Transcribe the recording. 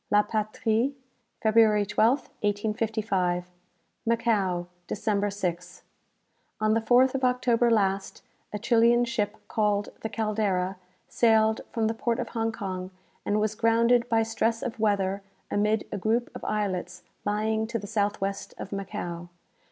"La Patrie," February 12th, 1855. "Macao, December 6. "On the 4th of October last, a Chilian ship, called the 'Caldera,' sailed from the port of Hong Kong and was grounded by stress of weather amid a group of islets lying to the south west of Macao.